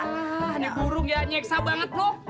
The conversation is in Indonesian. nah nih burung ya nyeksa banget lu